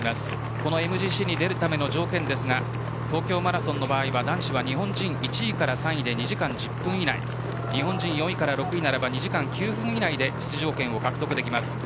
このＭＧＣに出るための条件ですが東京マラソンの場合は男子は日本人１位から３位で２時間１０分以内４位から６位は２時間９分以内で出場権を獲得です。